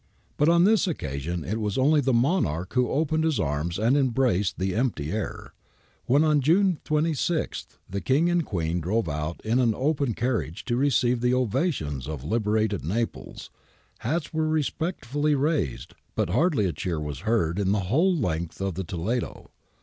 But on this occasion it was only the monarch who opened his arms and embraced the empty air. When on June 26 the King and Queen drove out in an open car riage to receive the ovations of liberated Naples, hats were respectfully raised, but hardly a cheer was heard in the whole length of the Toledo.